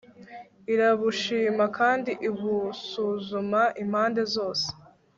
irabushima, kandi ibusuzuma impande zose